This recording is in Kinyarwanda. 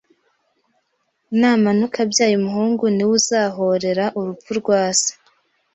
naramuka abyaye umuhungu niwe uzahorera urupfu rwase